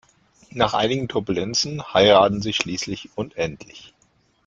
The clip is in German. Nach einigen Turbulenzen heiraten sie schließlich und endlich.